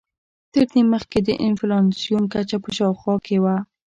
تر دې مخکې د انفلاسیون کچه په شاوخوا کې وه.